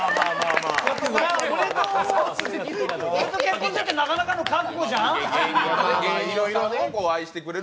俺と結婚するってなかなかの覚悟じゃん？